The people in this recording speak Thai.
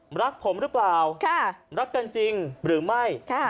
รักผมหรือเปล่ารักกันจริงหรือไม่